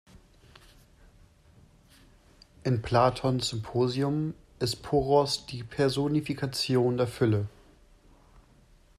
In Platons "Symposion" ist Poros die Personifikation der Fülle.